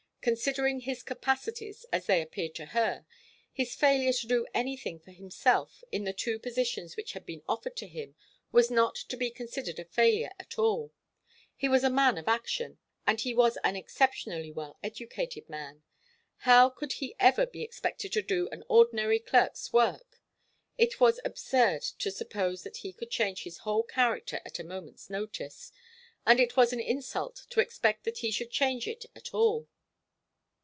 Considering his capacities, as they appeared to her, his failure to do anything for himself in the two positions which had been offered to him was not to be considered a failure at all. He was a man of action, and he was an exceptionally well educated man. How could he ever be expected to do an ordinary clerk's work? It was absurd to suppose that he could change his whole character at a moment's notice, and it was an insult to expect that he should change it at all.